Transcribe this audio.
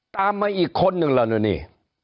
ตามมาอีกคนนึงแล้วนะนี่